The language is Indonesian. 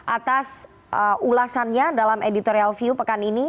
atas ulasannya dalam editorial view pekan ini